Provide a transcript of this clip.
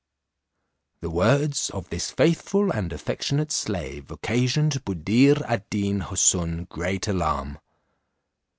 The words of this faithful and affectionate slave occasioned Buddir ad Deen Houssun great alarm.